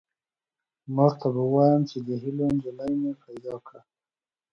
مور ته به ووایم چې د هیلو نجلۍ مې پیدا کړه